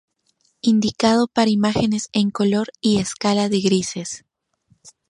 Indicado para imágenes en color y escala de grises.